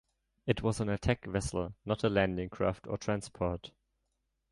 It was an attack vessel, not a landing craft or transport.